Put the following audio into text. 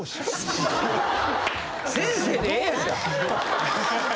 先生でええやんか。